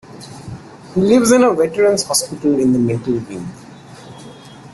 He lives in a Veterans' Hospital in the mental wing.